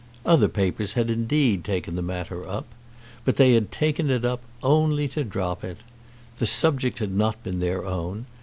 Other papers had indeed taken the matter up, but they had taken it up only to drop it. The subject had not been their own.